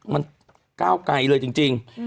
มันก้าวไกลเลยจริง